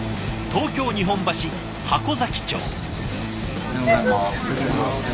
おはようございます。